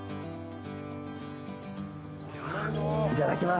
いただきます！